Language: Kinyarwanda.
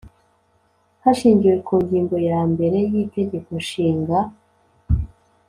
Hashingiwe ku ngingo ya mbere yi Itegeko nshinga